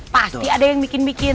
pasti ada yang bikin bikin